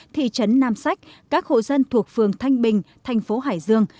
thị trấn nam sách các hộ dân thuộc phường thanh bình thành phố hải dương